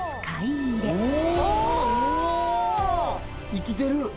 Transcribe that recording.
生きてる！